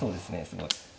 すごい。